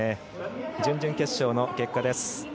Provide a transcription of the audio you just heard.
準々決勝の結果です。